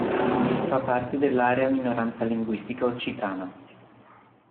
Fa parte dell'Area Minoranza Linguistica Occitana.